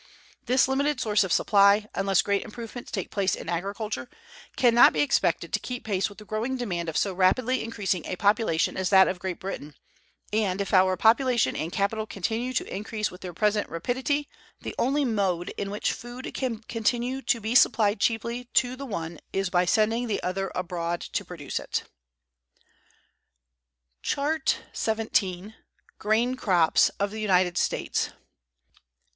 This limited source of supply, unless great improvements take place in agriculture, can not be expected to keep pace with the growing demand of so rapidly increasing a population as that of Great Britain; and, if our population and capital continue to increase with their present rapidity, the only mode in which food can continue to be supplied cheaply to the one is by sending the other abroad to produce it. Chart XVII. _Grain Crops of the United States.